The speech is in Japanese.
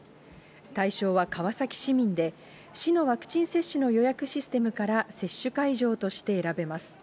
対象は川崎市民で、市のワクチン接種の予約システムから接種会場として選べます。